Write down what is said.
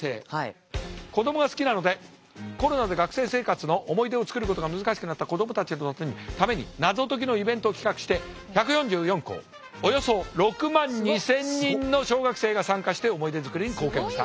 子どもが好きなのでコロナで学生生活の思い出を作ることが難しくなった子どもたちのために謎解きのイベントを企画して１４４校およそ６万２，０００人の小学生が参加して思い出作りに貢献した。